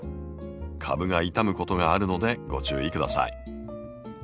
株が傷むことがあるのでご注意下さい。